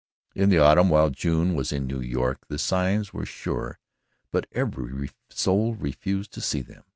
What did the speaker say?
In the autumn, while June was in New York, the signs were sure but every soul refused to see them.